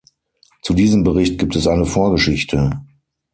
Zu diesem Bericht gibt es eine Vorgeschichte.